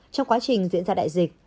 trong quá trình diễn ra đại dịch